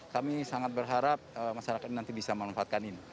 kami sangat berharap masyarakat ini nanti bisa memanfaatkan ini